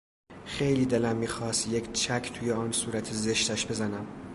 خیلی دلم میخواست یک چک توی آن صورت زشتش بزنم!